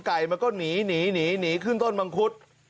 ไก่มันก็หนีหนีขึ้นต้นมังคุด